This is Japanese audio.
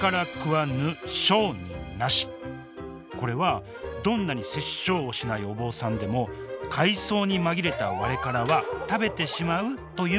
これはどんなに殺生をしないお坊さんでも海藻に紛れたワレカラは食べてしまうという意味なんです